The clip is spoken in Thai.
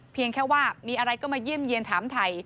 เพียงแค่ว่ามีอะไรก็มาเยี่ยมเยี่ยนถามไทย